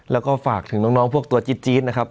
แล้วก็ฝากถึงน้องพวกตัวจี๊ดนะครับ